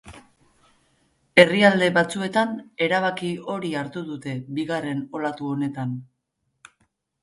Herrialde batzuetan erabaki hori hartu dute bigarren olatu honetan.